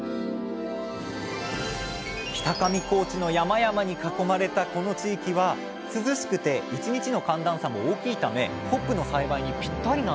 北上高地の山々に囲まれたこの地域は涼しくて１日の寒暖差も大きいためホップの栽培にぴったりなんだそうです